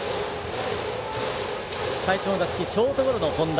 最初の打席、ショートゴロの本田。